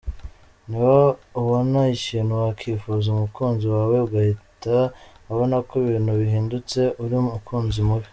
Niba ubona ikintu wakifuza umukunzi wawe agahita abona ko ibintu bihindutse uri umukunzi mubi.